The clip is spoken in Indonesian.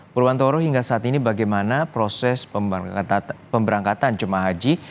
purwantoro hingga saat ini bagaimana proses pemberangkatan jemaah haji